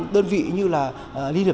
đơn vị như là liên hiệp